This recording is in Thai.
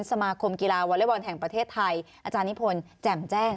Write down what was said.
สมาคมกีฬาวอเล็กบอลแห่งประเทศไทยอาจารย์นิพนธ์แจ่มแจ้ง